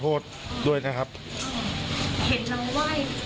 ตอนนั้นน้องทำไมไหว้